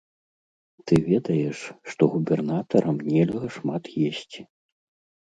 Ты ведаеш, што губернатарам нельга шмат есці?